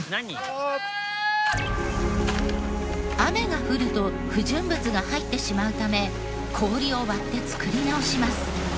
雨が降ると不純物が入ってしまうため氷を割って作り直します。